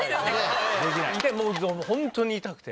もうホントに痛くて。